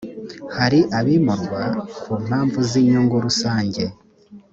hari abimurwa ku mpamvu z’inyungu rusange